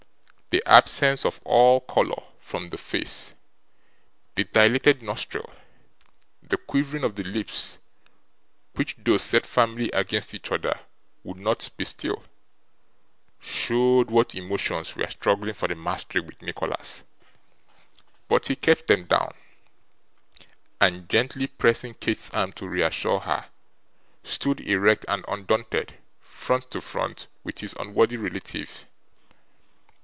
The absence of all colour from the face; the dilated nostril; the quivering of the lips which, though set firmly against each other, would not be still; showed what emotions were struggling for the mastery with Nicholas. But he kept them down, and gently pressing Kate's arm to reassure her, stood erect and undaunted, front to front with his unworthy relative.